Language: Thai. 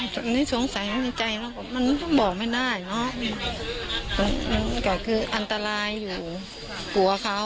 ตอนนี้สงสัยในใจเนอะมันบอกไม่ได้เนอะมันก็คืออันตรายอยู่กลัวเขา